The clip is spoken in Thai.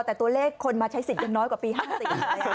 แต่ตัวเลขคนมาใช้สิทธิ์ยังน้อยกว่าปี๕๔